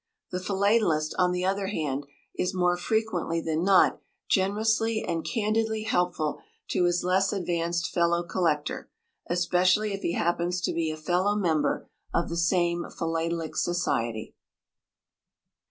The Philatelist, on the other hand, is more frequently than not generously and candidly helpful to his less advanced fellow collector, especially if he happens to be a fellow member of the same philatelic society.